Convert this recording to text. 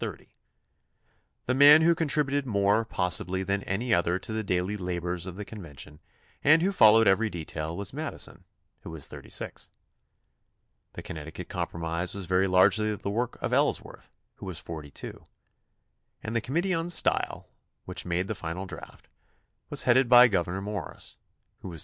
The THE CONSTITUTION AND ITS MAKERS 41 man who contributed more, possibly, than any other to the daily labors of the convention and who followed every detail was Madison, who was 36. The Con necticut compromise was very largely the work of Ellsworth, who was 42; and the committee on style, which made the final draft, was headed by Gouverneur Morris, who was 35.